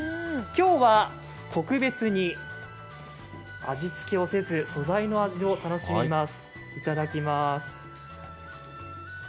今日は、特別に味付けをせず素材の味を楽しみます。